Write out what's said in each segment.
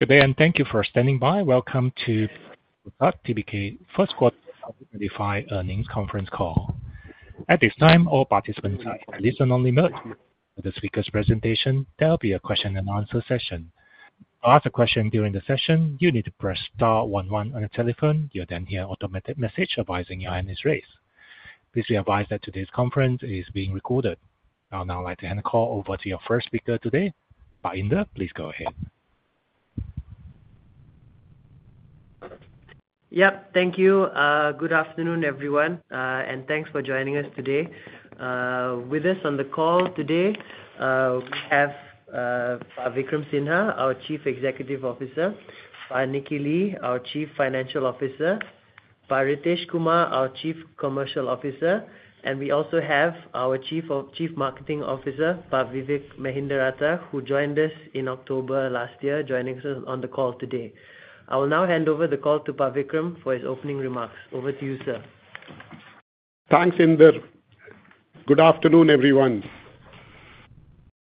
Good day, and thank you for standing by. Welcome to the Indosat Ooredoo Hutchison First Quarter 2025 Earnings Conference Call. At this time, all participants are in listen-only mode. Following the speaker's presentation, there will be a question-and-answer session. To ask a question during the session, you need to press Star 11 on the telephone. You will then hear an automated message advising your earnings raise. Please be advised that today's conference is being recorded. I would now like to hand the call over to your first speaker today, Indar. Please go ahead. Yep, thank you. Good afternoon, everyone. And thanks for joining us today. With us on the call today, we have Vikram Sinha, our Chief Executive Officer, Nicky Lee, our Chief Financial Officer, Ritesh Kumar, our Chief Commercial Officer, and we also have our Chief Marketing Officer, Vivek Mehendiratta, who joined us in October last year, joining us on the call today. I will now hand over the call to Pak Vikram for his opening remarks. Over to you, sir. Thanks, Indar. Good afternoon, everyone.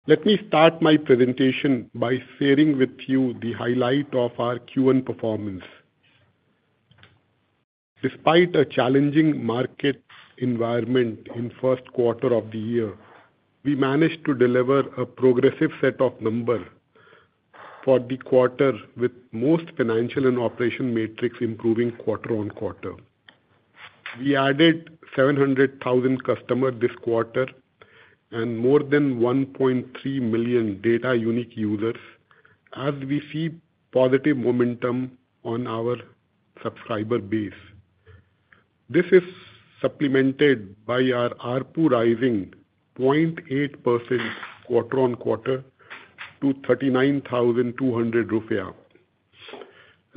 Let me start my presentation by sharing with you the highlight of our Q1 performance. Despite a challenging market environment in the first quarter of the year, we managed to deliver a progressive set of numbers for the quarter, with most financial and operational metrics improving quarter on quarter. We added 700,000 customers this quarter and more than 1.3 million data unique users, as we see positive momentum on our subscriber base. This is supplemented by our ARPU rising 0.8% quarter on quarter to IDR 39,200.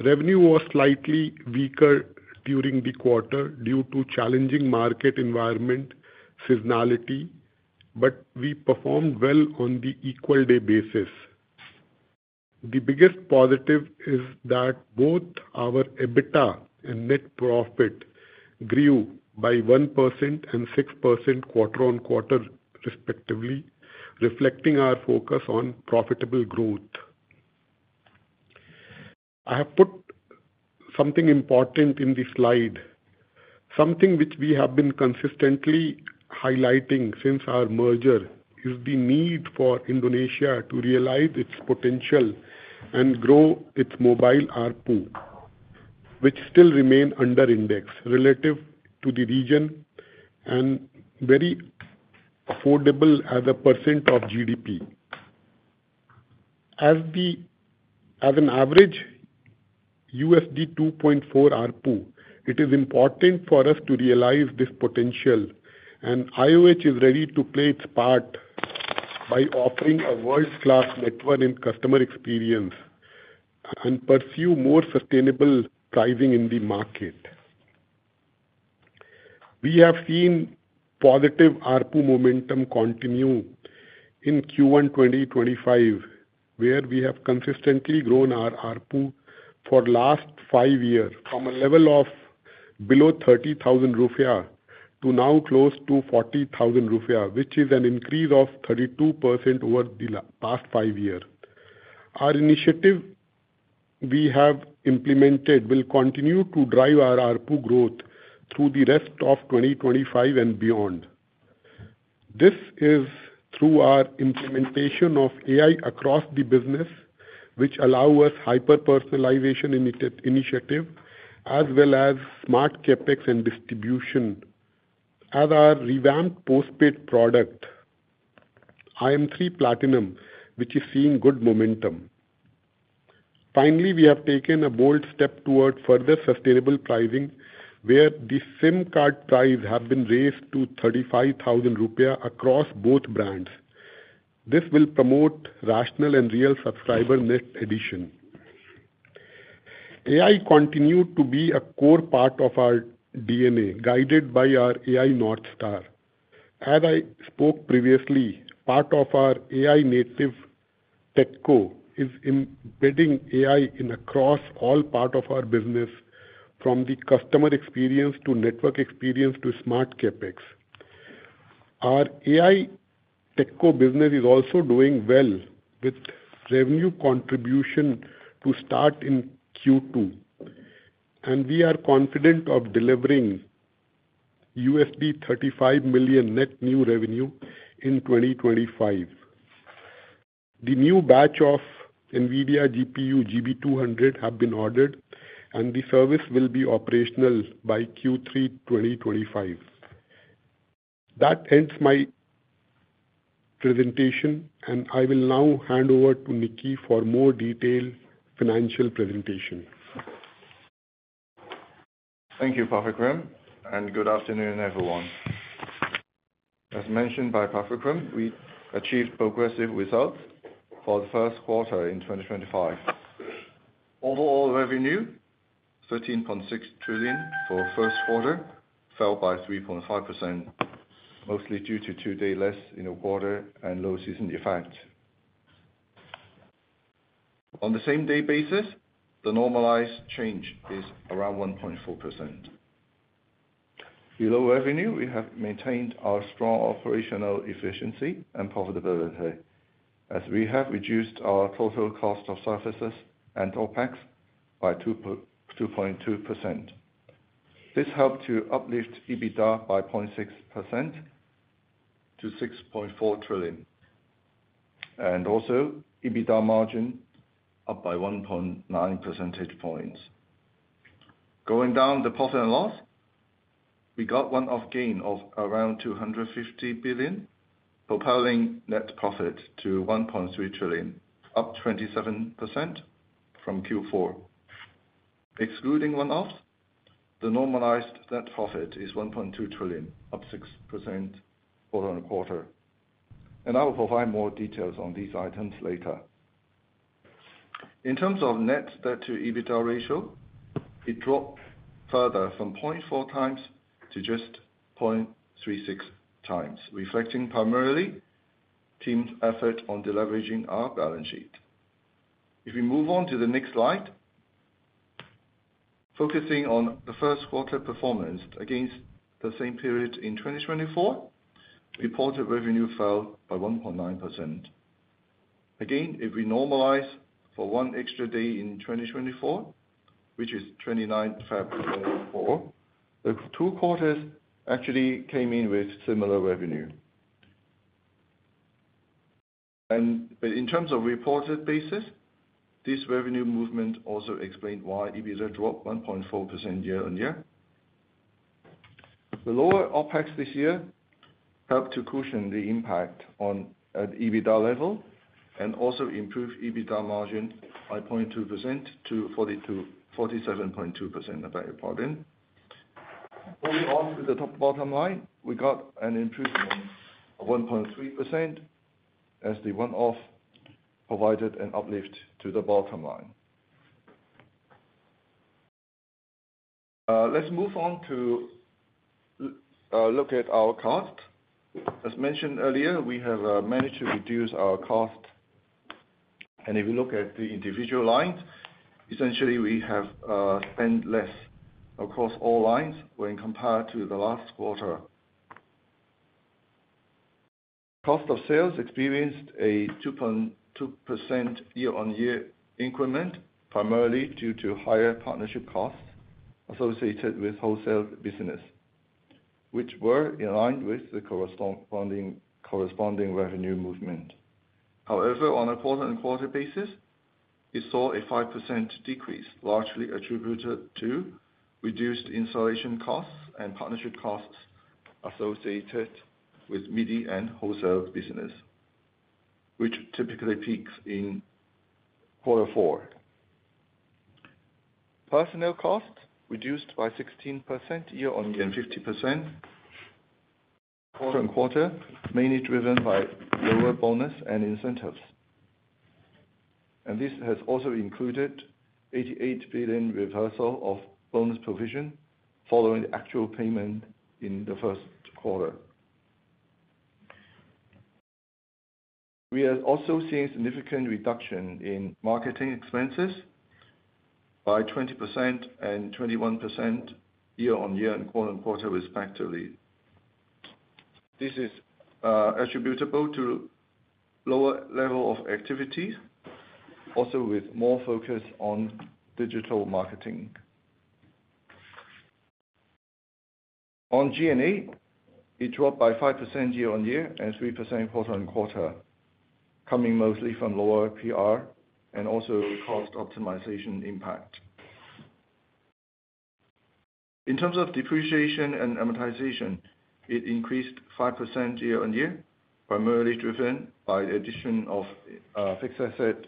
Revenue was slightly weaker during the quarter due to challenging market environment seasonality, but we performed well on the equal-day basis. The biggest positive is that both our EBITDA and net profit grew by 1% and 6% quarter on quarter, respectively, reflecting our focus on profitable growth. I have put something important in the slide, something which we have been consistently highlighting since our merger, is the need for Indonesia to realize its potential and grow its mobile ARPU, which still remains under-indexed relative to the region and very affordable as a % of GDP. As an average $2.4 ARPU, it is important for us to realize this potential, and IOH is ready to play its part by offering a world-class network and customer experience and pursue more sustainable pricing in the market. We have seen positive ARPU momentum continue in Q1 2025, where we have consistently grown our ARPU for the last five years from a level of below 30,000 rupiah to now close to 40,000 rupiah, which is an increase of 32% over the past five years. Our initiative we have implemented will continue to drive our ARPU growth through the rest of 2025 and beyond. This is through our implementation of AI across the business, which allows us hyper-personalization initiative, as well as smart CapEx and distribution, as our revamped postpaid product, IM3 Platinum, which is seeing good momentum. Finally, we have taken a bold step toward further sustainable pricing, where the SIM card price has been raised to 35,000 rupiah across both brands. This will promote rational and real subscriber net addition. AI continued to be a core part of our DNA, guided by our AI North Star. As I spoke previously, part of our AI native TechCo is embedding AI across all parts of our business, from the customer experience to network experience to smart CapEx. Our AI TechCo business is also doing well with revenue contribution to start in Q2, and we are confident of delivering $35 million net new revenue in 2025. The new batch of NVIDIA GPU GB200 has been ordered, and the service will be operational by Q3 2025. That ends my presentation, and I will now hand over to Nicky for more detailed financial presentation. Thank you, Pak Vikram, and good afternoon, everyone. As mentioned by Pak Vikram, we achieved progressive results for the first quarter in 2025. Overall revenue, 13.6 trillion for the first quarter, fell by 3.5%, mostly due to two days less in the quarter and low season effect. On the same-day basis, the normalized change is around 1.4%. Below revenue, we have maintained our strong operational efficiency and profitability, as we have reduced our total cost of services and OPEX by 2.2%. This helped to uplift EBITDA by 0.6% to 6.4 trillion, and also EBITDA margin up by 1.9 percentage points. Going down the profit and loss, we got one-off gain of around 250 billion, propelling net profit to 1.3 trillion, up 27% from Q4. Excluding one-offs, the normalized net profit is 1.2 trillion, up 6% quarter on quarter. I will provide more details on these items later. In terms of net debt-to-EBITDA ratio, it dropped further from 0.4 times to just 0.36 times, reflecting primarily the team's effort on deleveraging our balance sheet. If we move on to the next slide, focusing on the first quarter performance against the same period in 2024, reported revenue fell by 1.9%. Again, if we normalize for one extra day in 2024, which is 29 February 2024, the two quarters actually came in with similar revenue. In terms of reported basis, this revenue movement also explained why EBITDA dropped 1.4% year on year. The lower OPEX this year helped to cushion the impact on the EBITDA level and also improved EBITDA margin by 0.2% to IDR 47.2%. Moving on to the top bottom line, we got an improvement of 1.3% as the one-off provided an uplift to the bottom line. Let's move on to look at our cost. As mentioned earlier, we have managed to reduce our cost. If we look at the individual lines, essentially we have spent less across all lines when compared to the last quarter. Cost of sales experienced a 2.2% year-on-year increment, primarily due to higher partnership costs associated with wholesale business, which were in line with the corresponding revenue movement. However, on a quarter-on-quarter basis, we saw a 5% decrease, largely attributed to reduced installation costs and partnership costs associated with MIDI and wholesale business, which typically peaks in quarter four. Personnel costs reduced by 16% year-on-year and 50% quarter-on-quarter, mainly driven by lower bonus and incentives. This has also included an 88 billion reversal of bonus provision following the actual payment in the first quarter. We are also seeing a significant reduction in marketing expenses by 20% and 21% year-on-year and quarter-on-quarter, respectively. This is attributable to a lower level of activity, also with more focus on digital marketing. On G&A, it dropped by 5% year-on-year and 3% quarter-on-quarter, coming mostly from lower PR and also cost optimization impact. In terms of depreciation and amortization, it increased 5% year-on-year, primarily driven by the addition of fixed assets,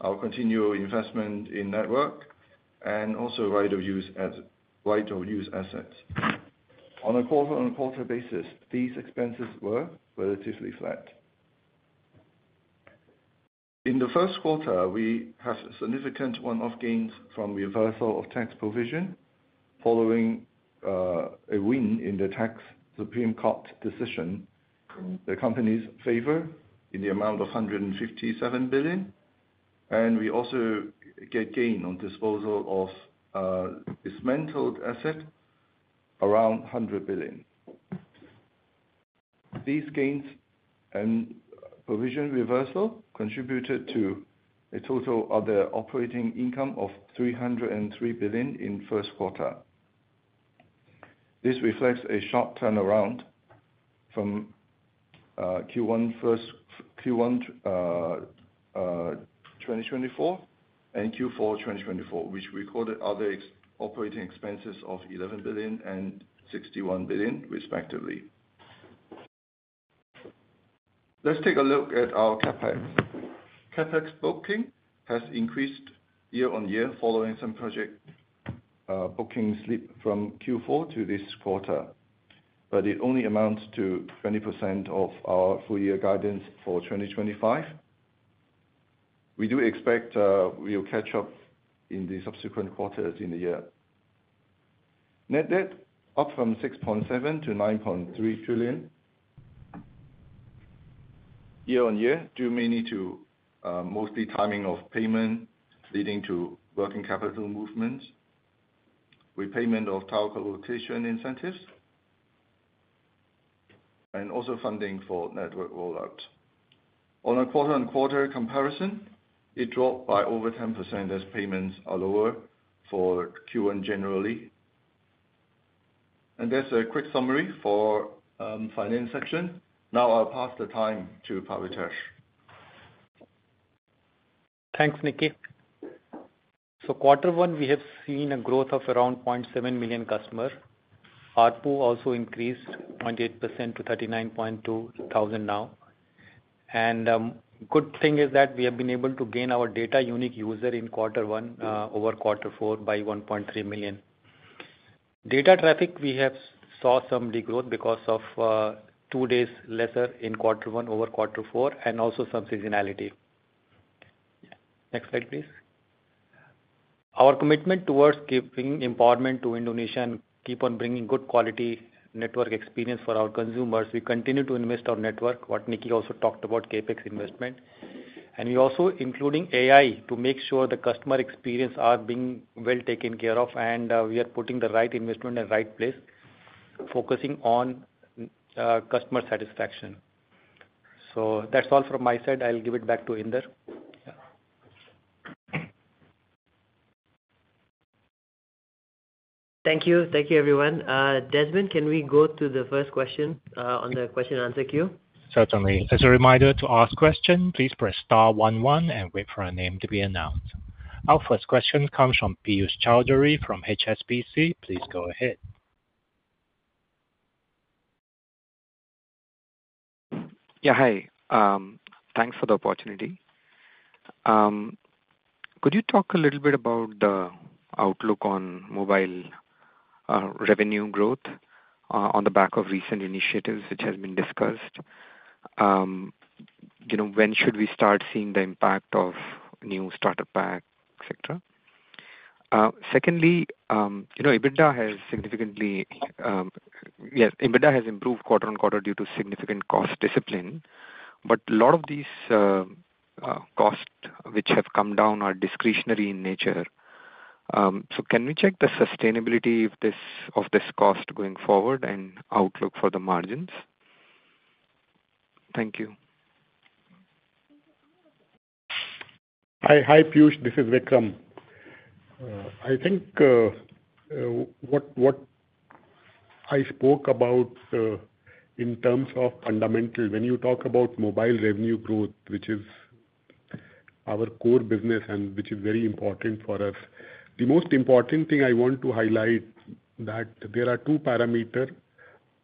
our continual investment in network, and also right-of-use assets. On a quarter-on-quarter basis, these expenses were relatively flat. In the first quarter, we had significant one-off gains from reversal of tax provision following a win in the tax Supreme Court decision in the company's favor in the amount of 157 billion. We also gained on disposal of dismantled assets around IDR 100 billion. These gains and provision reversal contributed to a total other operating income of 303 billion in the first quarter. This reflects a sharp turnaround from Q1 2024 and Q4 2024, which recorded other operating expenses of 11 billion and 61 billion, respectively. Let's take a look at our CapEx. CapEx booking has increased year-on-year following some project booking slip from Q4 to this quarter, but it only amounts to 20% of our full-year guidance for 2025. We do expect we'll catch up in the subsequent quarters in the year. Net debt up from 6.7 trillion to 9.3 trillion year-on-year, due mainly to mostly timing of payment leading to working capital movement, repayment of Tower colocation incentives, and also funding for network rollout. On a quarter-on-quarter comparison, it dropped by over 10% as payments are lower for Q1 generally. That's a quick summary for the finance section. Now I'll pass the time to Pak Vitesh. Thanks, Nicky. Quarter one, we have seen a growth of around 0.7 million customers. ARPU also increased 0.8% to 39,200 now. The good thing is that we have been able to gain our data unique user in quarter one over quarter four by 1.3 million. Data traffic, we have saw some regrowth because of two days lesser in quarter one over quarter four and also some seasonality. Next slide, please. Our commitment towards giving empowerment to Indonesia and keep on bringing good quality network experience for our consumers. We continue to invest our network, what Nicky also talked about, CapEx investment. We are also including AI to make sure the customer experiences are being well taken care of, and we are putting the right investment in the right place, focusing on customer satisfaction. That is all from my side. I'll give it back to Indar. Thank you. Thank you, everyone. Desmond, can we go to the first question on the question-and-answer queue? Certainly. As a reminder to ask questions, please press star 11 and wait for a name to be announced. Our first question comes from Piyush Chowdhury from HSBC. Please go ahead. Yeah, hi. Thanks for the opportunity. Could you talk a little bit about the outlook on mobile revenue growth on the back of recent initiatives which have been discussed? When should we start seeing the impact of new starter pack, etc.? Secondly, EBITDA has significantly improved quarter on quarter due to significant cost discipline. A lot of these costs which have come down are discretionary in nature. Can we check the sustainability of this cost going forward and outlook for the margins? Thank you. Hi, Piyush. This is Vikram. I think what I spoke about in terms of fundamental, when you talk about mobile revenue growth, which is our core business and which is very important for us, the most important thing I want to highlight is that there are two parameters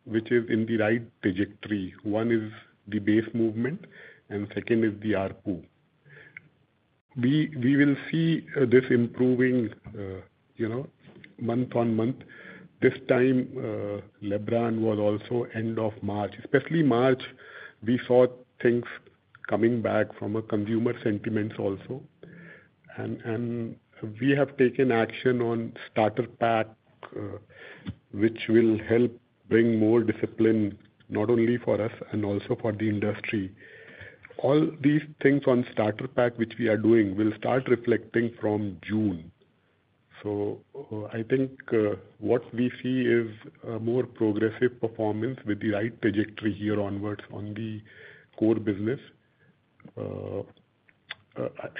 which are in the right trajectory. One is the base movement, and second is the ARPU. We will see this improving month on month. This time, Lebanon was also end of March. Especially March, we saw things coming back from consumer sentiments also. We have taken action on starter pack, which will help bring more discipline not only for us and also for the industry. All these things on starter pack which we are doing will start reflecting from June. I think what we see is more progressive performance with the right trajectory here onwards on the core business.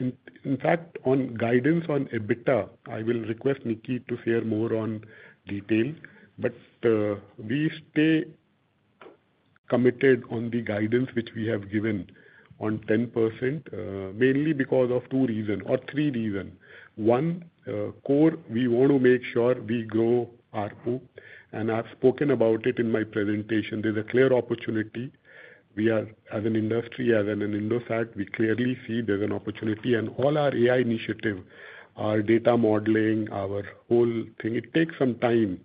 In fact, on guidance on EBITDA, I will request Nicky to share more on detail. We stay committed on the guidance which we have given on 10%, mainly because of two reasons or three reasons. One, core, we want to make sure we grow ARPU. I have spoken about it in my presentation. There is a clear opportunity. As an industry, as an Indosat, we clearly see there is an opportunity. All our AI initiatives, our data modeling, our whole thing, it takes some time.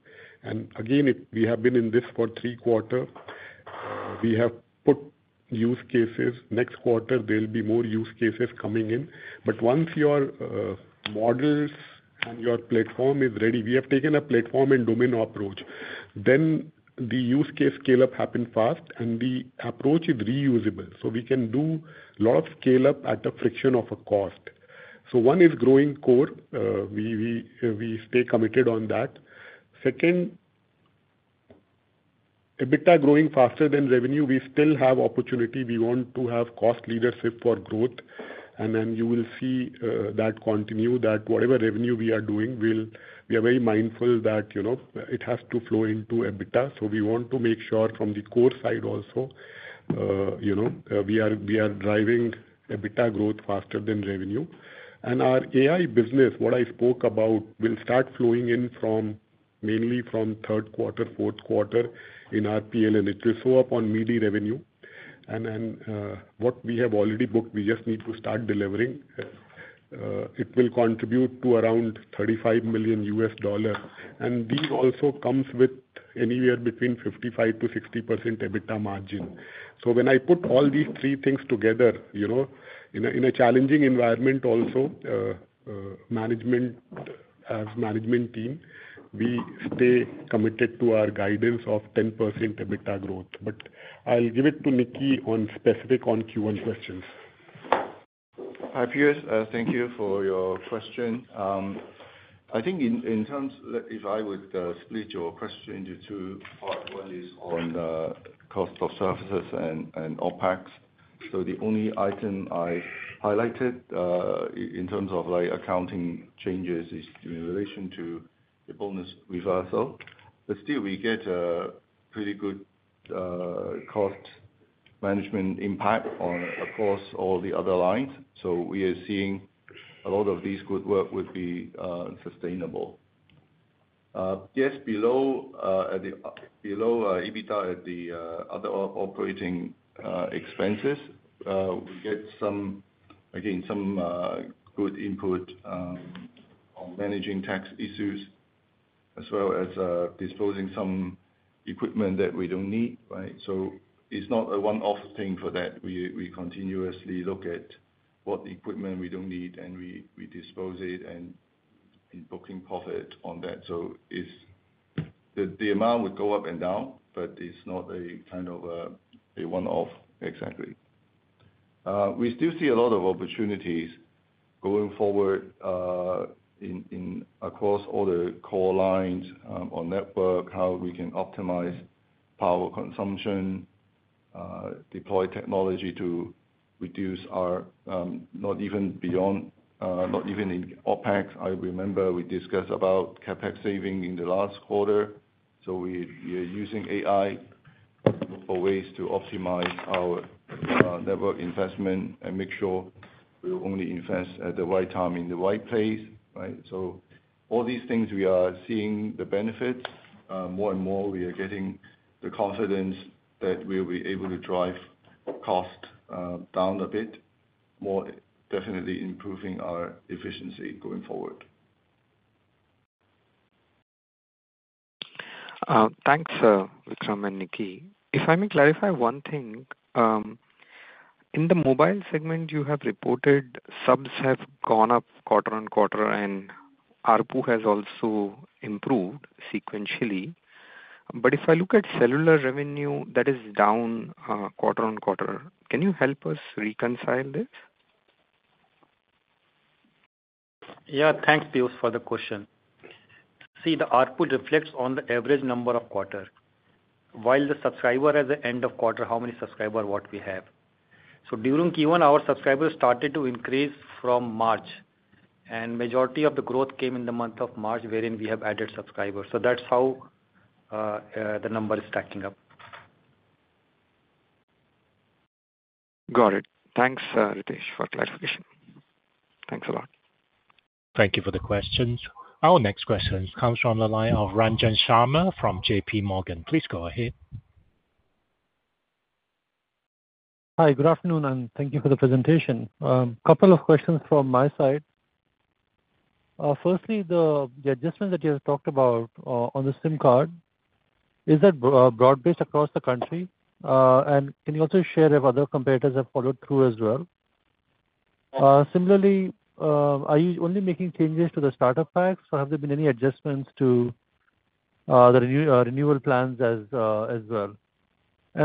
We have been in this for three quarters. We have put use cases. Next quarter, there will be more use cases coming in. Once your models and your platform is ready, we have taken a platform and domain approach. The use case scale-up happens fast, and the approach is reusable. We can do a lot of scale-up at a fraction of a cost. One is growing core. We stay committed on that. Second, EBITDA growing faster than revenue, we still have opportunity. We want to have cost leadership for growth. You will see that continue, that whatever revenue we are doing, we are very mindful that it has to flow into EBITDA. We want to make sure from the core side also, we are driving EBITDA growth faster than revenue. Our AI business, what I spoke about, will start flowing in mainly from third quarter, fourth quarter in RPL, and it will show up on MIDI revenue. What we have already booked, we just need to start delivering. It will contribute to around $35 million. This also comes with anywhere between 55%-60% EBITDA margin. When I put all these three things together, in a challenging environment also, as management team, we stay committed to our guidance of 10% EBITDA growth. I'll give it to Nicky on specific on Q1 questions. Hi, Piyush. Thank you for your question. I think in terms if I would split your question into two parts, one is on the cost of services and OPEX. The only item I highlighted in terms of accounting changes is in relation to the bonus reversal. Still, we get a pretty good cost management impact across all the other lines. We are seeing a lot of this good work would be sustainable. Yes, below EBITDA at the other operating expenses, we get some, again, some good input on managing tax issues as well as disposing some equipment that we do not need, right? It is not a one-off thing for that. We continuously look at what equipment we do not need, and we dispose it and booking profit on that. The amount would go up and down, but it is not a kind of a one-off exactly. We still see a lot of opportunities going forward across all the core lines or network, how we can optimize power consumption, deploy technology to reduce our not even beyond not even in OPEX. I remember we discussed about CapEx saving in the last quarter. We are using AI for ways to optimize our network investment and make sure we only invest at the right time in the right place, right? All these things, we are seeing the benefits. More and more, we are getting the confidence that we will be able to drive cost down a bit more, definitely improving our efficiency going forward. Thanks, Vikram and Nicky. If I may clarify one thing, in the mobile segment, you have reported subs have gone up quarter on quarter, and ARPU has also improved sequentially. If I look at cellular revenue, that is down quarter on quarter. Can you help us reconcile this? Yeah, thanks, Piyush, for the question. See, the output reflects on the average number of quarters. While the subscriber at the end of quarter, how many subscribers what we have. During Q1, our subscribers started to increase from March. The majority of the growth came in the month of March, wherein we have added subscribers. That is how the number is stacking up. Got it. Thanks, Ritesh, for clarification. Thanks a lot. Thank you for the questions. Our next question comes from the line of Ranjan Sharma from JPMorgan. Please go ahead. Hi, good afternoon, and thank you for the presentation. A couple of questions from my side. Firstly, the adjustment that you have talked about on the SIM card, is that broad-based across the country? Can you also share if other competitors have followed through as well? Similarly, are you only making changes to the starter packs? Have there been any adjustments to the renewal plans as well?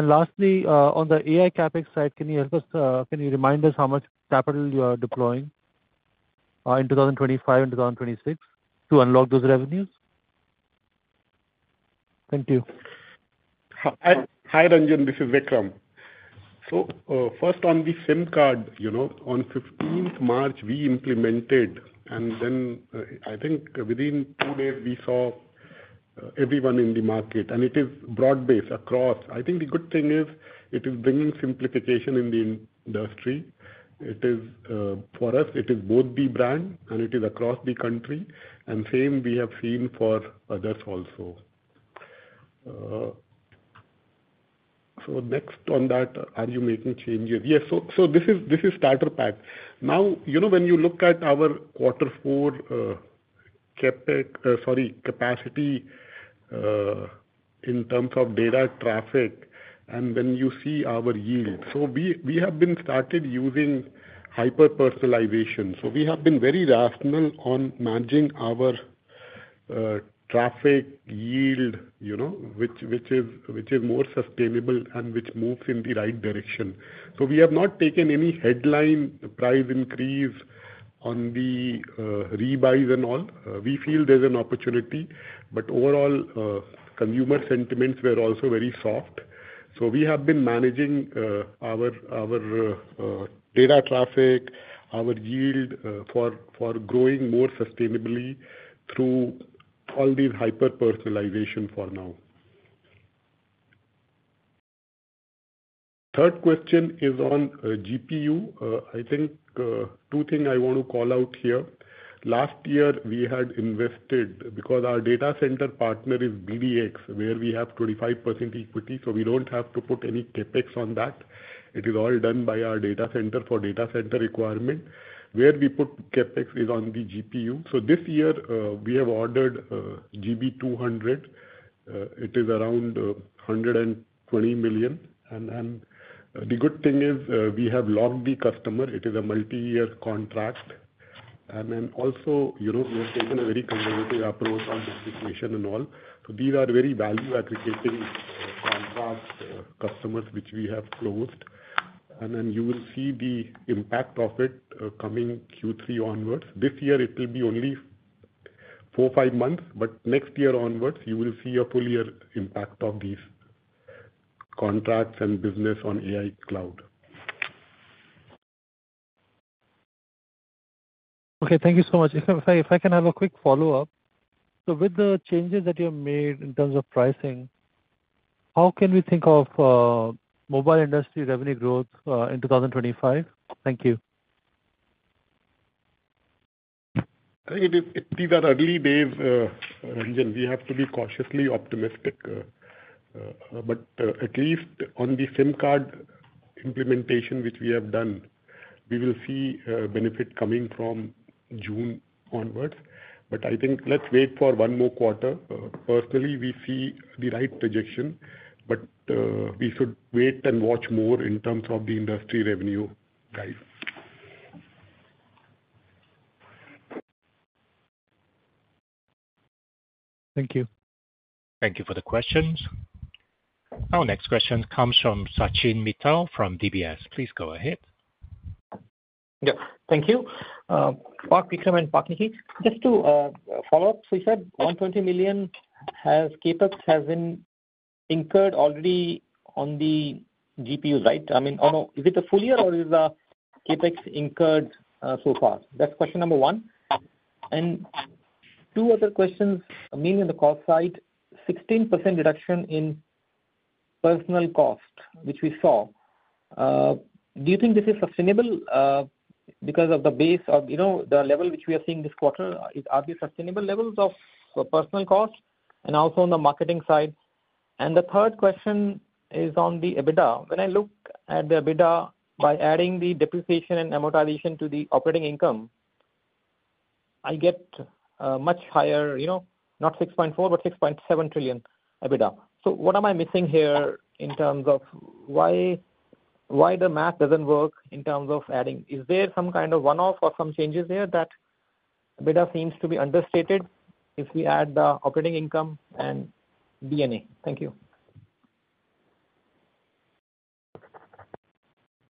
Lastly, on the AI CapEx side, can you remind us how much capital you are deploying in 2025 and 2026 to unlock those revenues? Thank you. Hi, Ranjan. This is Vikram. First, on the SIM card, on 15th March, we implemented, and then I think within two days, we saw everyone in the market. It is broad-based across. I think the good thing is it is bringing simplification in the industry. For us, it is both the brand, and it is across the country. The same, we have seen for others also. Next on that, are you making changes? Yes. This is starter pack. Now, when you look at our quarter four CapEx, sorry, capacity in terms of data traffic, and then you see our yield. We have been started using hyper-personalization. We have been very rational on managing our traffic yield, which is more sustainable and which moves in the right direction. We have not taken any headline price increase on the rebuys and all. We feel there's an opportunity. Overall, consumer sentiments were also very soft. We have been managing our data traffic, our yield for growing more sustainably through all these hyper-personalization for now. Third question is on GPU. Two things I want to call out here. Last year, we had invested because our data center partner is BDX, where we have 25% equity. We do not have to put any CapEx on that. It is all done by our data center for data center requirement. Where we put CapEx is on the GPU. This year, we have ordered GB200. It is around $120 million. The good thing is we have locked the customer. It is a multi-year contract. We have taken a very conservative approach on the application and all. These are very value-aggregating contracts customers which we have closed. You will see the impact of it coming Q3 onwards. This year, it will be only four-five months. Next year onwards, you will see a full year impact of these contracts and business on AI cloud. Thank you so much. If I can have a quick follow-up. With the changes that you have made in terms of pricing, how can we think of mobile industry revenue growth in 2025? Thank you. These are early days, Ranjan. We have to be cautiously optimistic. At least on the SIM card implementation which we have done, we will see benefit coming from June onwards. I think let's wait for one more quarter. Personally, we see the right projection. We should wait and watch more in terms of the industry revenue guide. Thank you. Thank you for the questions. Our next question comes from Sachin Mittal from DBS. Please go ahead. Yeah. Thank you. Pak, Vikram, and Pak, Nicky. Just to follow up, you said 120 million as CapEx has been incurred already on the GPUs, right? I mean, is it a full year or is the CapEx incurred so far? That's question number one. Two other questions, mainly on the cost side. 16% reduction in personnel cost, which we saw. Do you think this is sustainable because of the base of the level which we are seeing this quarter? Are these sustainable levels of personnel cost? Also on the marketing side. The third question is on the EBITDA. When I look at the EBITDA, by adding the depreciation and amortization to the operating income, I get much higher, not 6.4 trillion, but 6.7 trillion EBITDA. What am I missing here in terms of why the math doesn't work in terms of adding? Is there some kind of one-off or some changes here that EBITDA seems to be understated if we add the operating income and DNA? Thank you.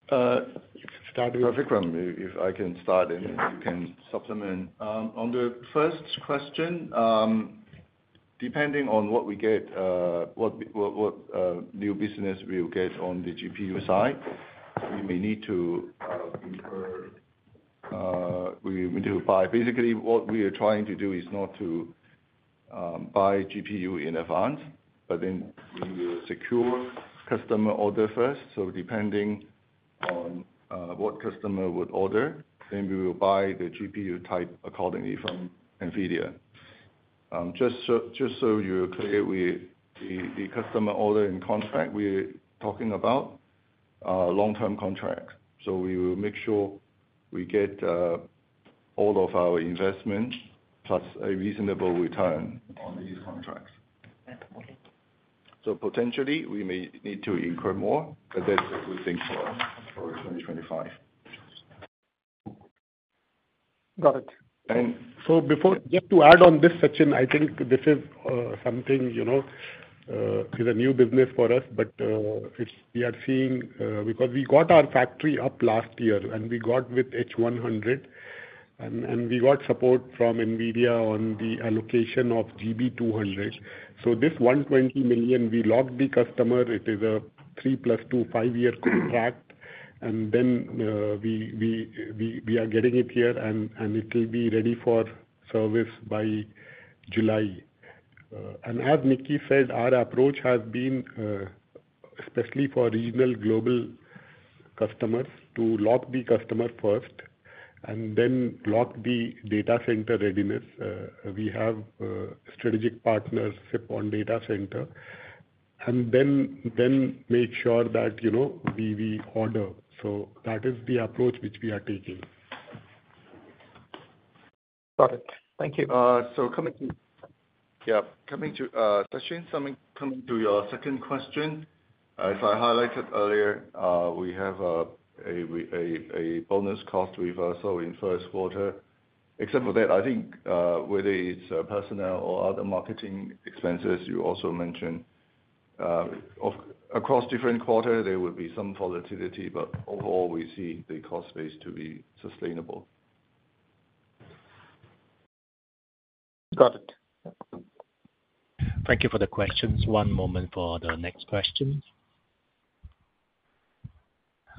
Start with you, Vikram. If I can start and you can supplement. On the first question, depending on what we get, what new business we will get on the GPU side, we may need to incur we need to buy. Basically, what we are trying to do is not to buy GPU in advance, but then we will secure customer order first. Depending on what customer would order, we will buy the GPU type accordingly from NVIDIA. Just so you're clear, the customer order and contract we're talking about are long-term contracts. We will make sure we get all of our investment plus a reasonable return on these contracts. Potentially, we may need to incur more, but that's what we think for 2025. Got it. Just to add on this, Sachin, I think this is something that is a new business for us. We are seeing, because we got our factory up last year, and we got with H100. We got support from NVIDIA on the allocation of GB200. This $120 million, we locked the customer. It is a 3 plus 2, 5-year contract. We are getting it here, and it will be ready for service by July. As Nicky said, our approach has been, especially for regional global customers, to lock the customer first and then lock the data center readiness. We have strategic partnership on data center, and then make sure that we order. That is the approach which we are taking. Got it. Thank you. Yeah. Coming to Sachin, coming to your second question, as I highlighted earlier, we have a bonus cost reversal in first quarter. Except for that, I think whether it's personnel or other marketing expenses, you also mentioned, across different quarters, there would be some volatility. Overall, we see the cost base to be sustainable. Got it. Thank you for the questions. One moment for the next question.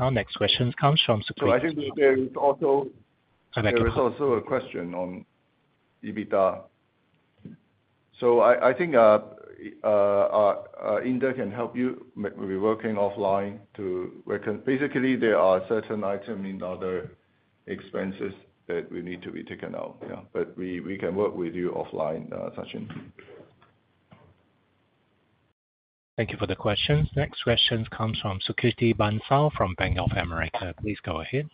Our next question comes from. I think there is also. Hi, Vikram. There is also a question on EBITDA. I think Indar can help you. We're working offline to basically, there are certain items in other expenses that we need to be taken out. We can work with you offline, Sachin. Thank you for the questions. Next question comes from Sukhriti Bansal from Bank of America. Please go ahead.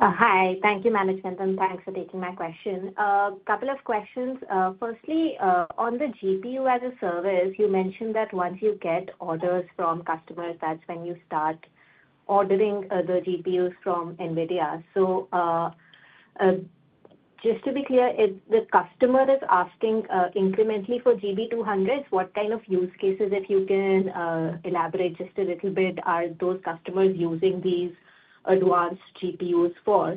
Hi. Thank you, Manoj Mantham. Thanks for taking my question. A couple of questions. Firstly, on the GPU as a service, you mentioned that once you get orders from customers, that's when you start ordering the GPUs from NVIDIA. Just to be clear, if the customer is asking incrementally for GB200s, what kind of use cases, if you can elaborate just a little bit, are those customers using these advanced GPUs for?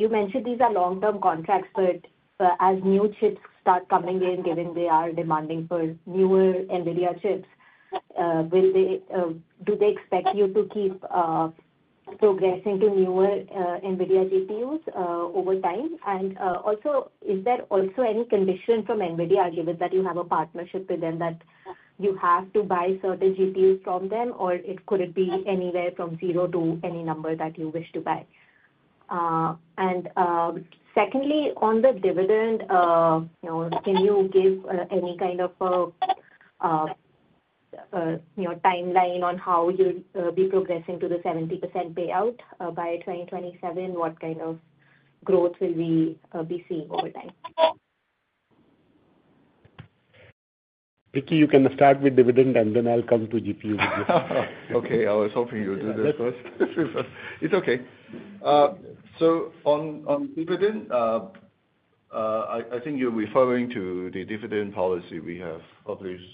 You mentioned these are long-term contracts. As new chips start coming in, given they are demanding for newer NVIDIA chips, do they expect you to keep progressing to newer NVIDIA GPUs over time? Is there also any condition from NVIDIA, given that you have a partnership with them, that you have to buy certain GPUs from them? Or could it be anywhere from zero to any number that you wish to buy? Secondly, on the dividend, can you give any kind of a timeline on how you'll be progressing to the 70% payout by 2027? What kind of growth will we be seeing over time? Ricky, you can start with dividend, and then I'll come to GPU. Okay. I was hoping you would do this first. It's okay. On dividend, I think you're referring to the dividend policy we have published.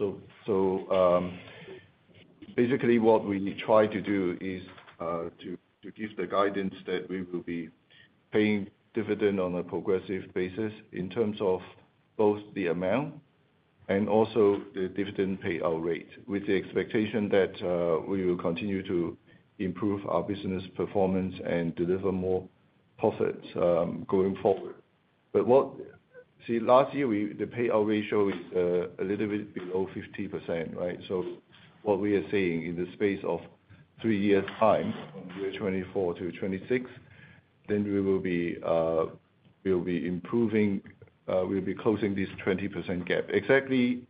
Basically, what we try to do is to give the guidance that we will be paying dividend on a progressive basis in terms of both the amount and also the dividend payout rate, with the expectation that we will continue to improve our business performance and deliver more profits going forward. Last year, the payout ratio is a little bit below 50%, right? What we are seeing in the space of three years' time from year 2024 to 2026, we will be improving. We'll be closing this 20% gap. Exactly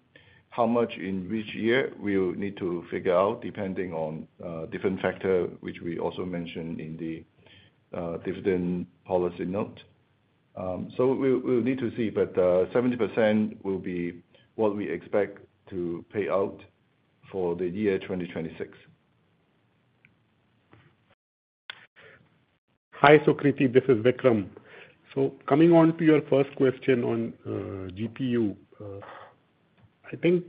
how much in which year we'll need to figure out depending on different factors, which we also mentioned in the dividend policy note. We'll need to see. Seventy percent will be what we expect to pay out for the year 2026. Hi, Sukhriti. This is Vikram. Coming on to your first question on GPU, I think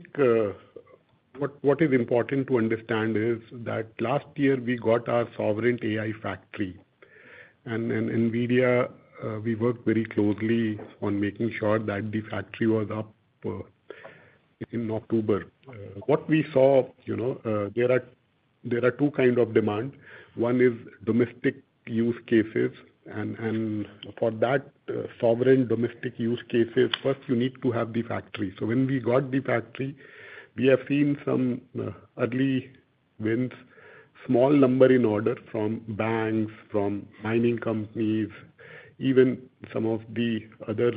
what is important to understand is that last year, we got our sovereign AI factory. With NVIDIA, we worked very closely on making sure that the factory was up in October. What we saw, there are two kinds of demands. One is domestic use cases. For that sovereign domestic use cases, first, you need to have the factory. When we got the factory, we have seen some early wins, small number in order from banks, from mining companies, even some of the other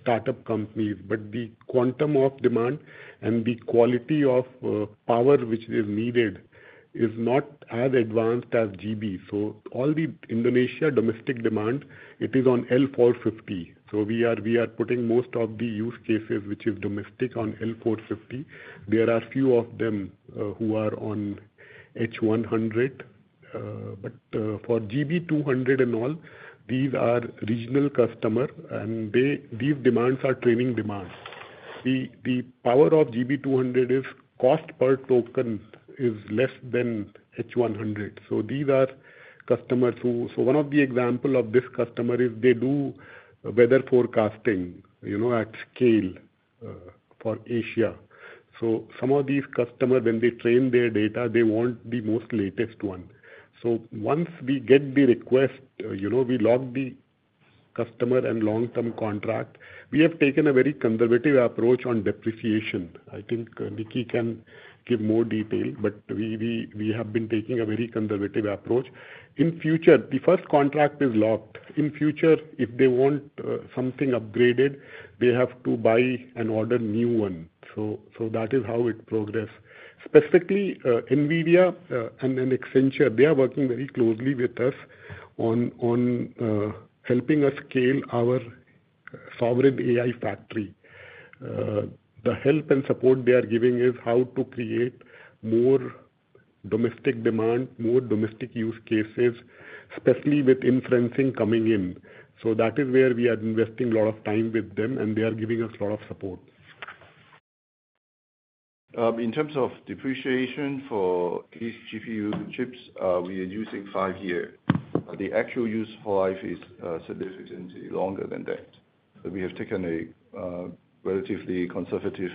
startup companies. The quantum of demand and the quality of power which is needed is not as advanced as GB. All the Indonesia domestic demand, it is on L40S. We are putting most of the use cases which is domestic on L40S. There are a few of them who are on H100. For GB200 and all, these are regional customers. These demands are training demands. The power of GB200 is cost per token is less than H100. These are customers who, one of the examples of this customer is they do weather forecasting at scale for Asia. Some of these customers, when they train their data, they want the most latest one. Once we get the request, we log the customer and long-term contract. We have taken a very conservative approach on depreciation. I think Nicky can give more detail. We have been taking a very conservative approach. In future, the first contract is locked. In future, if they want something upgraded, they have to buy and order new one. That is how it progressed. Specifically, NVIDIA and Accenture, they are working very closely with us on helping us scale our sovereign AI factory. The help and support they are giving is how to create more domestic demand, more domestic use cases, especially with inferencing coming in. That is where we are investing a lot of time with them, and they are giving us a lot of support. In terms of depreciation for these GPU chips, we are using five years. The actual use life is significantly longer than that. We have taken a relatively conservative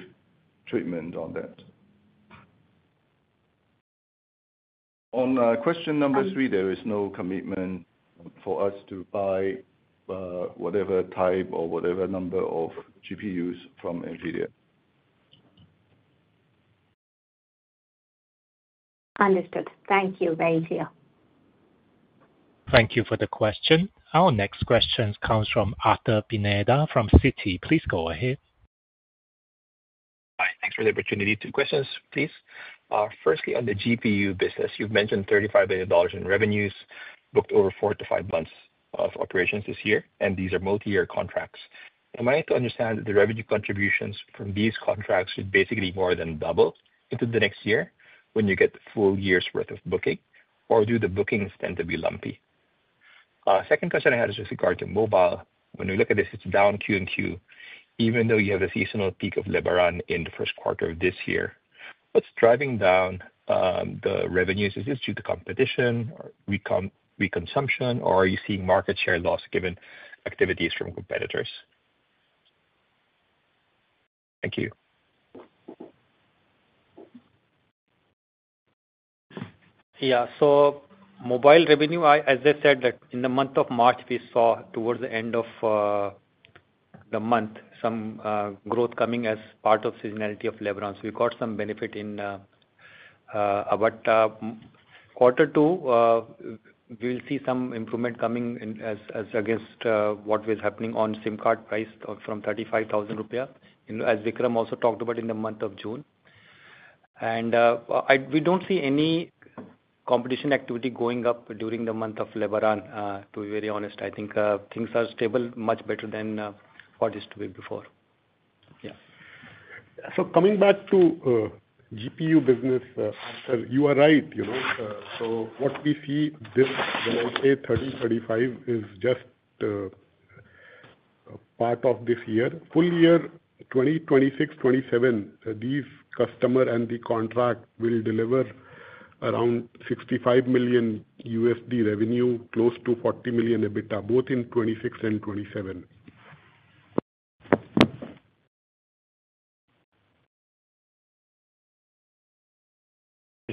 treatment on that. On question number three, there is no commitment for us to buy whatever type or whatever number of GPUs from NVIDIA. Understood. Thank you, very clear. Thank you for the question. Our next question comes from Arthur Pineda from Citi. Please go ahead. Hi. Thanks for the opportunity. Two questions, please. Firstly, on the GPU business, you've mentioned $35 billion in revenues booked over four to five months of operations this year, and these are multi-year contracts. Am I to understand that the revenue contributions from these contracts should basically more than double into the next year when you get full years' worth of booking? Or do the bookings tend to be lumpy? Second question I had is with regard to mobile. When we look at this, it's down Q and Q, even though you have a seasonal peak of Lebanon in the first quarter of this year. What's driving down the revenues? Is this due to competition or weak consumption? Or are you seeing market share loss given activities from competitors? Thank you. Yeah. Mobile revenue, as I said, in the month of March, we saw towards the end of the month some growth coming as part of seasonality of Lebaran. We got some benefit in about quarter two, we will see some improvement coming against what was happening on SIM card price from 35,000 rupiah, as Vikram also talked about in the month of June. We do not see any competition activity going up during the month of Lebaran, to be very honest. I think things are stable, much better than what used to be before. Yeah. Coming back to GPU business, you are right. What we see is when I say 30-35, it is just part of this year. Full year 2026-2027, these customers and the contract will deliver around $65 million revenue, close to $40 million EBITDA, both in 2026 and 2027.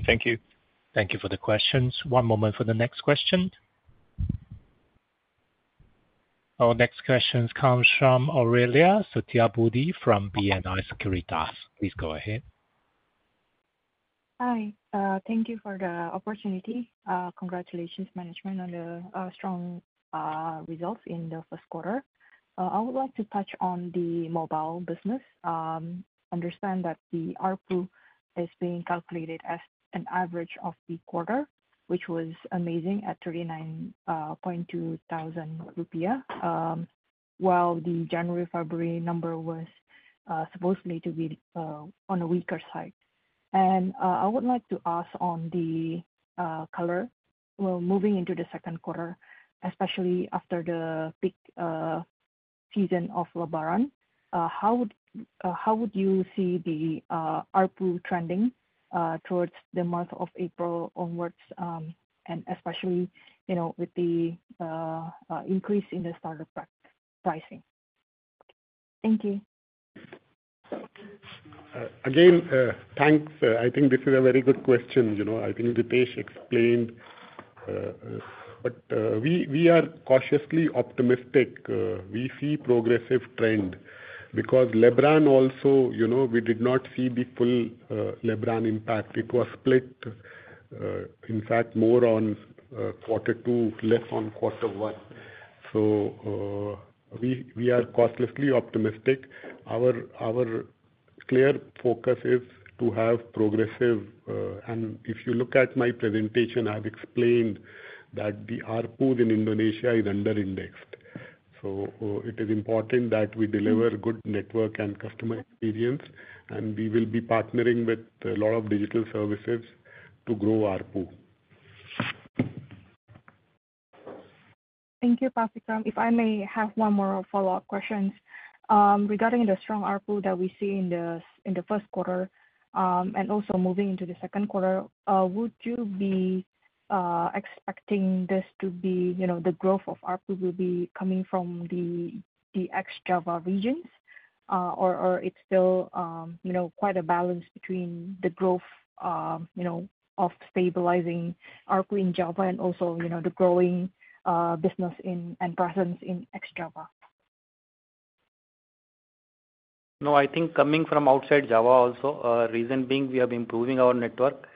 Thank you. Thank you for the questions. One moment for the next question. Our next question comes from Aurelia Satyabhoodi from BNI Security Taskforce. Please go ahead. Hi. Thank you for the opportunity. Congratulations, management, on the strong results in the first quarter. I would like to touch on the mobile business. Understand that the ARPU is being calculated as an average of the quarter, which was amazing at 39,200 rupiah, while the January-February number was supposedly to be on the weaker side. I would like to ask on the color, moving into the second quarter, especially after the peak season of Lebaran, how would you see the ARPU trending towards the month of April onwards, especially with the increase in the startup pricing? Thank you. Again, thanks. I think this is a very good question. I think Ritesh explained. We are cautiously optimistic. We see a progressive trend because Lebanon also, we did not see the full Lebanon impact. It was split, in fact, more on quarter two, less on quarter one. We are cautiously optimistic. Our clear focus is to have progressive. If you look at my presentation, I have explained that the ARPU in Indonesia is underindexed. It is important that we deliver good network and customer experience. We will be partnering with a lot of digital services to grow ARPU. Thank you, Pasikram. If I may have one more follow-up question. Regarding the strong ARPU that we see in the first quarter and also moving into the second quarter, would you be expecting this to be the growth of ARPU will be coming from the ex-Java regions? Or it's still quite a balance between the growth of stabilizing ARPU in Java and also the growing business and presence in ex-Java? No, I think coming from outside Java also, reason being we are improving our network.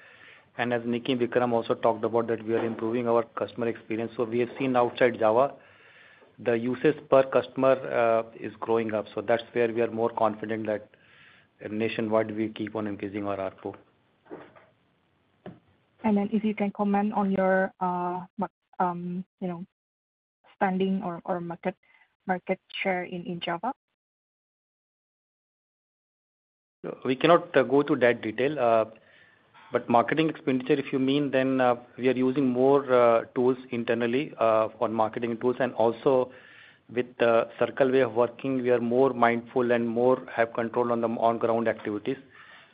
And as Nicky and Vikram also talked about, we are improving our customer experience. We have seen outside Java, the usage per customer is growing up. That is where we are more confident that nationwide, we keep on increasing our ARPU. If you can comment on your spending or market share in Java. We cannot go to that detail. If you mean marketing expenditure, then we are using more tools internally on marketing tools. Also, with the circle we are working, we are more mindful and have more control on the on-ground activities.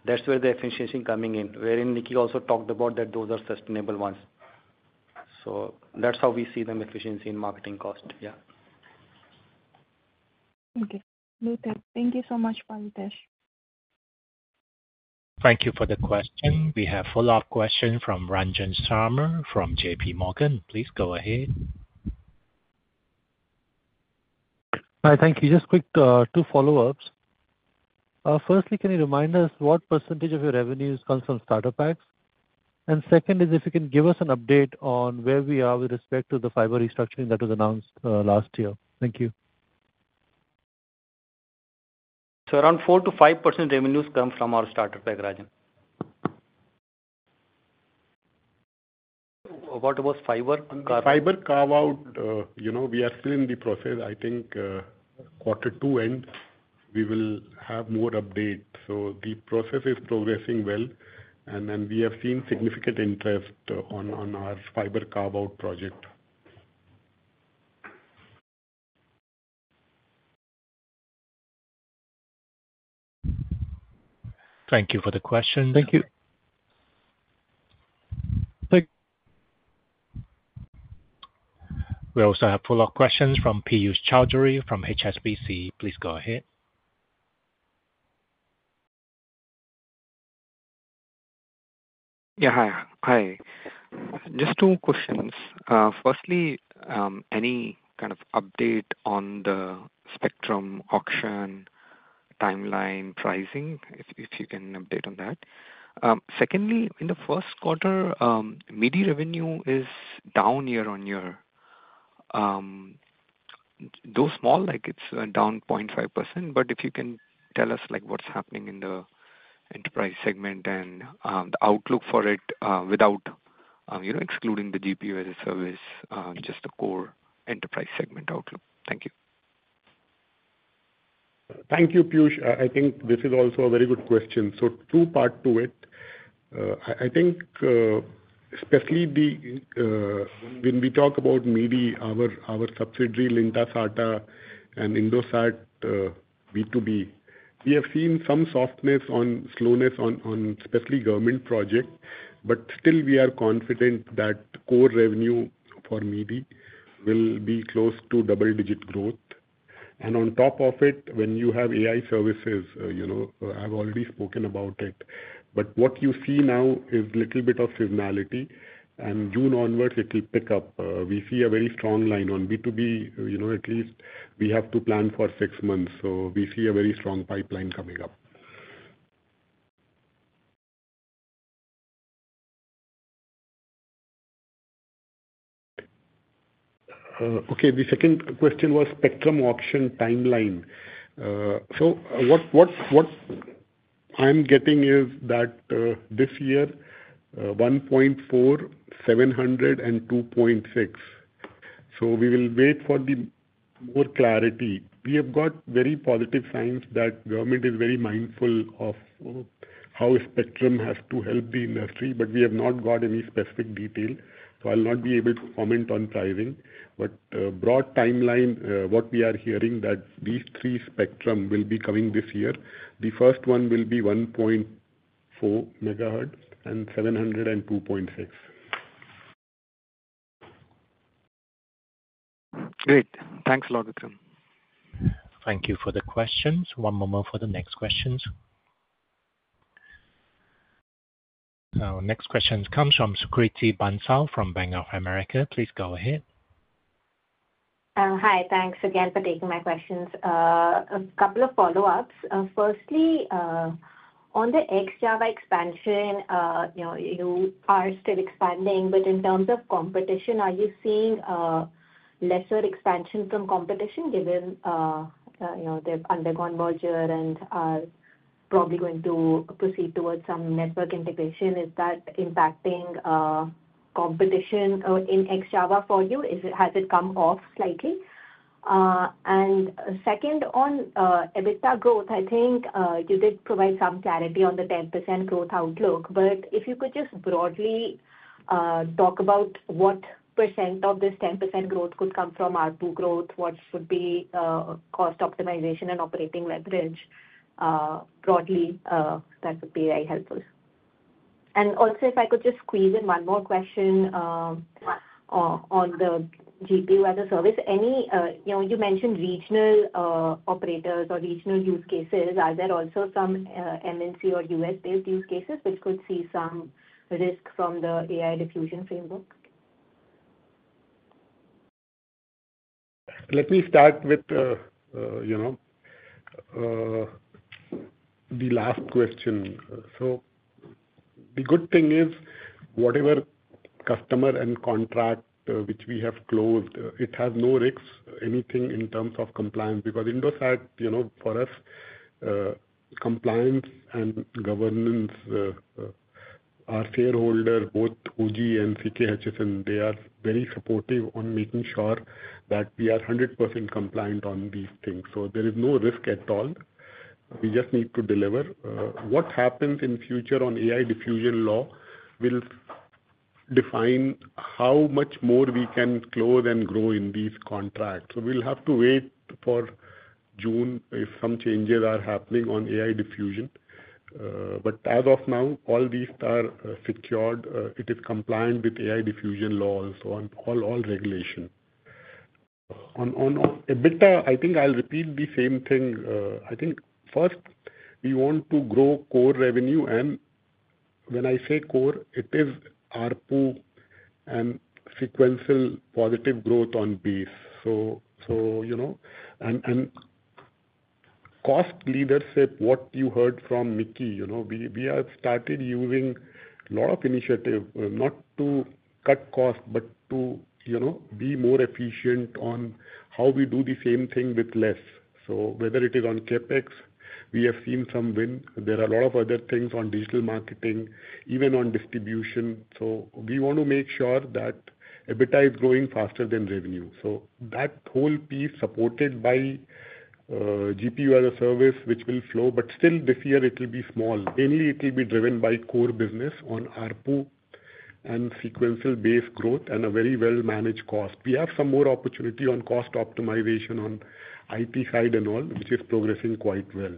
That is where the efficiency is coming in, wherein Nicky also talked about that those are sustainable ones. That is how we see the efficiency in marketing cost. Yeah. Okay. Thank you so much, Ritesh. Thank you for the question. We have a follow-up question from Ranjan Sharma from JPMorgan. Please go ahead. Hi. Thank you. Just quick two follow-ups. Firstly, can you remind us what percentage of your revenues comes from startup packs? Second is if you can give us an update on where we are with respect to the fiber restructuring that was announced last year. Thank you. Around 4%-5% revenues come from our startup pack, Ranjan. What about fiber? Fiber carve-out, we are still in the process. I think quarter two end, we will have more updates. The process is progressing well. We have seen significant interest on our fiber carve-out project. Thank you for the question. Thank you. We also have follow-up questions from Piyush Chowdhury from HSBC. Please go ahead. Yeah. Hi. Just two questions. Firstly, any kind of update on the spectrum auction timeline pricing if you can update on that? Secondly, in the first quarter, MIDI revenue is down year on year. Though small, it's down 0.5%. If you can tell us what's happening in the enterprise segment and the outlook for it without excluding the GPU as a service, just the core enterprise segment outlook. Thank you. Thank you, Piyush. I think this is also a very good question. Two parts to it. I think especially when we talk about MIDI, our subsidiary Lintasata and Indosat B2B, we have seen some softness or slowness on especially government projects. Still, we are confident that core revenue for MIDI will be close to double-digit growth. On top of it, when you have AI services, I've already spoken about it. What you see now is a little bit of seasonality. June onwards, it will pick up. We see a very strong line on B2B. At least we have to plan for six months. We see a very strong pipeline coming up. The second question was spectrum auction timeline. What I'm getting is that this year, 1.4, 700, and 2.6. We will wait for more clarity. We have got very positive signs that government is very mindful of how spectrum has to help the industry. We have not got any specific detail. I will not be able to comment on pricing. Broad timeline, what we are hearing is that these three spectrum will be coming this year. The first one will be 1.4 megahertz and 700 and 2.6. Great. Thanks a lot, Vikram. Thank you for the questions. One moment for the next questions. Our next question comes from Sukriti Bansal from Bank of America. Please go ahead. Hi. Thanks again for taking my questions. A couple of follow-ups. Firstly, on the ex-Java expansion, you are still expanding. In terms of competition, are you seeing lesser expansion from competition given they've undergone merger and are probably going to proceed towards some network integration? Is that impacting competition in ex-Java for you? Has it come off slightly? On EBITDA growth, I think you did provide some clarity on the 10% growth outlook. If you could just broadly talk about what percent of this 10% growth could come from ARPU growth, what should be cost optimization and operating leverage broadly, that would be very helpful. If I could just squeeze in one more question on the GPU as a service. You mentioned regional operators or regional use cases. Are there also some MNC or US-based use cases which could see some risk from the AI diffusion framework? Let me start with the last question. The good thing is whatever customer and contract which we have closed, it has no risk, anything in terms of compliance. Because Indosat, for us, compliance and governance, our shareholder, both Ooredoo Group and CK Hutchison, they are very supportive on making sure that we are 100% compliant on these things. There is no risk at all. We just need to deliver. What happens in future on AI diffusion law will define how much more we can close and grow in these contracts. We will have to wait for June if some changes are happening on AI diffusion. As of now, all these are secured. It is compliant with AI diffusion law, on all regulation. On EBITDA, I think I'll repeat the same thing. I think first, we want to grow core revenue. When I say core, it is ARPU and sequential positive growth on base. Cost leadership, what you heard from Nicky, we have started using a lot of initiative, not to cut costs, but to be more efficient on how we do the same thing with less. Whether it is on CapEx, we have seen some win. There are a lot of other things on digital marketing, even on distribution. We want to make sure that EBITDA is growing faster than revenue. That whole piece is supported by GPU as a service, which will flow. Still, this year, it will be small. Mainly, it will be driven by core business on ARPU and sequential-based growth and a very well-managed cost. We have some more opportunity on cost optimization on IT side and all, which is progressing quite well.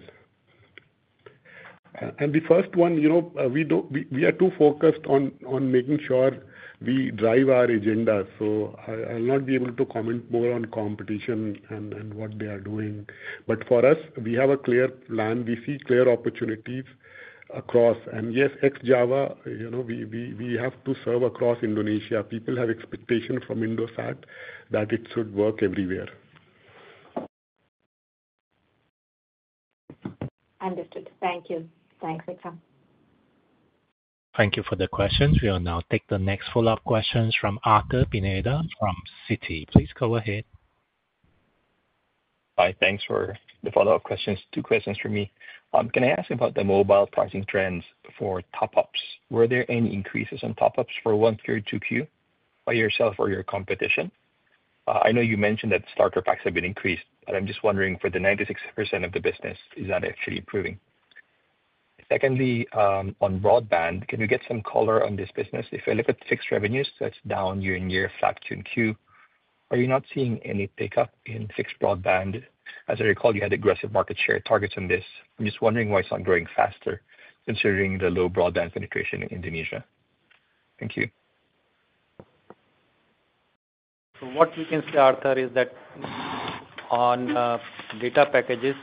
We are too focused on making sure we drive our agenda. I will not be able to comment more on competition and what they are doing. For us, we have a clear plan. We see clear opportunities across. Yes, ex-Java, we have to serve across Indonesia. People have expectations from Indosat that it should work everywhere. Understood. Thank you. Thanks, Vikram. Thank you for the questions. We will now take the next follow-up questions from Arthur Pineda from Citi. Please go ahead. Hi. Thanks for the follow-up questions. Two questions for me. Can I ask about the mobile pricing trends for top-ups? Were there any increases on top-ups for 1Q or 2Q by yourself or your competition? I know you mentioned that starter packs have been increased. I'm just wondering, for the 96% of the business, is that actually improving? Secondly, on broadband, can you get some color on this business? If I look at fixed revenues, that's down year on year, flat to Q. Are you not seeing any pickup in fixed broadband? As I recall, you had aggressive market share targets on this. I'm just wondering why it's not growing faster, considering the low broadband penetration in Indonesia. Thank you. What we can see, Arthur, is that on data packages,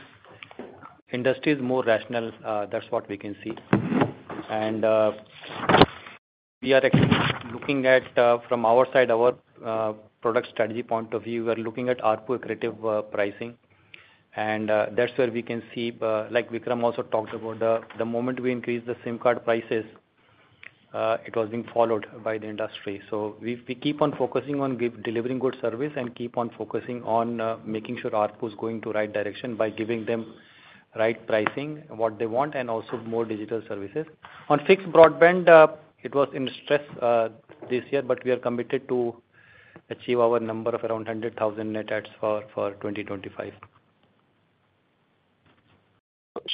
industry is more rational. That is what we can see. We are actually looking at, from our side, our product strategy point of view, we are looking at ARPU accreative pricing. That is where we can see, like Vikram also talked about, the moment we increased the SIM card prices, it was being followed by the industry. We keep on focusing on delivering good service and keep on focusing on making sure ARPU is going in the right direction by giving them the right pricing, what they want, and also more digital services. On fixed broadband, it was in stress this year, but we are committed to achieve our number of around 100,000 net adds for 2025.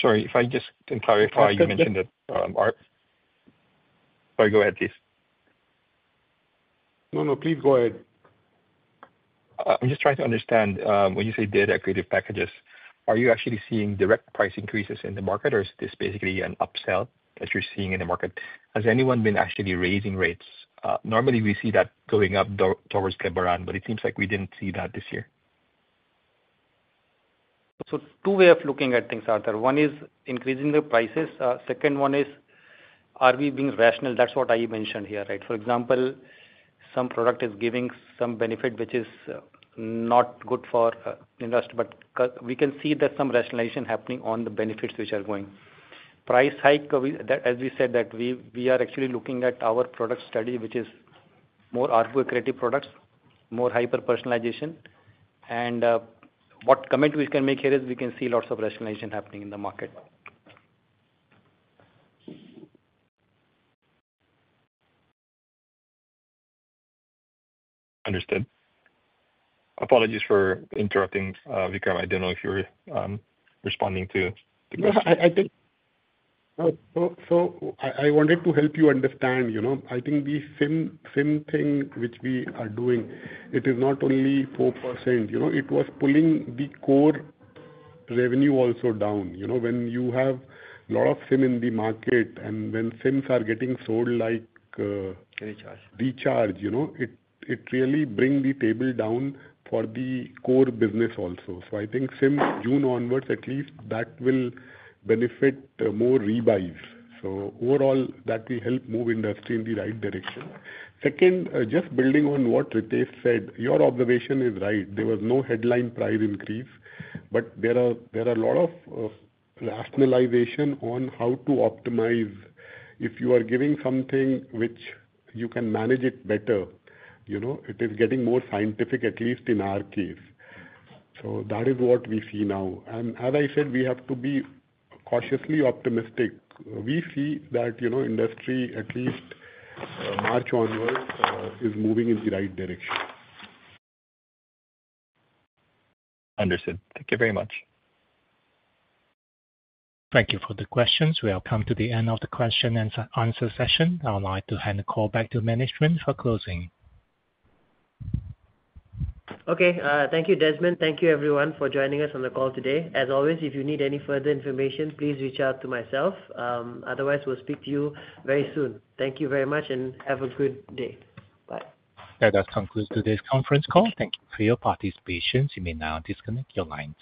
Sorry. If I just can clarify, you mentioned that. Sorry. Sorry. Go ahead, please. No, no. Please go ahead. I'm just trying to understand. When you say data creative packages, are you actually seeing direct price increases in the market, or is this basically an upsell that you're seeing in the market? Has anyone been actually raising rates? Normally, we see that going up towards Lebaran, but it seems like we didn't see that this year. Two ways of looking at things, Arthur. One is increasing the prices. Second one is, are we being rational? That's what I mentioned here, right? For example, some product is giving some benefit, which is not good for industry. We can see that some rationalization happening on the benefits which are going. Price hike, as we said, we are actually looking at our product strategy, which is more ARPU creative products, more hyper-personalization. What comment we can make here is we can see lots of rationalization happening in the market. Understood. Apologies for interrupting, Vikram. I do not know if you were responding to the question. Yeah. I wanted to help you understand. I think the SIM thing which we are doing, it is not only 4%. It was pulling the core revenue also down. When you have a lot of SIM in the market and when SIMs are getting sold like. Recharge. Recharge, it really brings the table down for the core business also. I think SIM, June onwards, at least, that will benefit more rebuys. Overall, that will help move industry in the right direction. Second, just building on what Ritesh said, your observation is right. There was no headline price increase. There are a lot of rationalization on how to optimize if you are giving something which you can manage it better. It is getting more scientific, at least in our case. That is what we see now. As I said, we have to be cautiously optimistic. We see that industry, at least March onwards, is moving in the right direction. Understood. Thank you very much. Thank you for the questions. We have come to the end of the question and answer session. I'd like to hand the call back to management for closing. Okay. Thank you, Desmond. Thank you, everyone, for joining us on the call today. As always, if you need any further information, please reach out to myself. Otherwise, we'll speak to you very soon. Thank you very much, and have a good day. Bye. That does conclude today's conference call. Thank you for your participation. You may now disconnect your line.